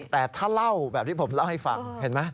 แต่ถ้าเล่าแบบที่ผมเล่าให้ฟัง